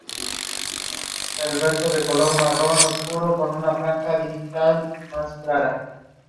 Los frutos son patentes, recordando los brazos de una estrella.